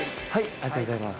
ありがとうございます。